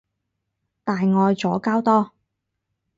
大愛左膠多